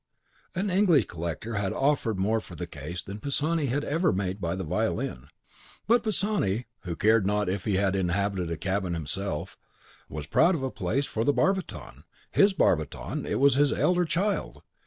An English collector had offered more for the case than Pisani had ever made by the violin. But Pisani, who cared not if he had inhabited a cabin himself, was proud of a palace for the barbiton. His barbiton, it was his elder child!